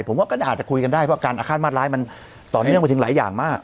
ผมว่าก็อาจจะคุยกันได้เพราะการอาฆาตมาตร้ายมันต่อเนื่องไปถึงหลายอย่างมาก